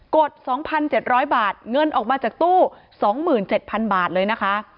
ด๒๗๐๐บาทเงินออกมาจากตู้๒๗๐๐บาทเลยนะคะ